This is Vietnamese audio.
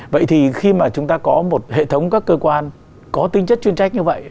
vậy thì khi mà chúng ta có một hệ thống các cơ quan có tinh chất chuyên trách như vậy